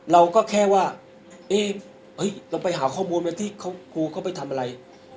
เราก็แค่ว่าเอ๊ะเราไปหาข้อมูลมาที่ครูเขาไปทำอะไร